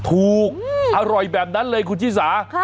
อร่อยแบบนั้นเลยคุณชิสา